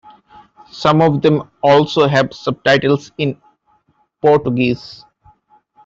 Some of them also have subtitles in Portuguese.